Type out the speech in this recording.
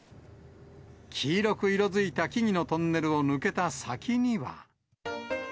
黄色く色づいた木々のトンネルを抜けた先には。